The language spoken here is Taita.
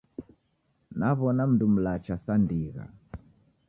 Naw'ona mundu mlacha sa ndigha